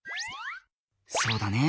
そうだね。